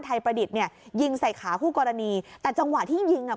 ประดิษฐ์เนี่ยยิงใส่ขาคู่กรณีแต่จังหวะที่ยิงอ่ะ